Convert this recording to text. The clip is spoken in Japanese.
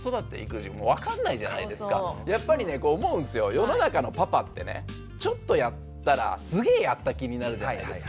世の中のパパってねちょっとやったらすげえやった気になるじゃないですか。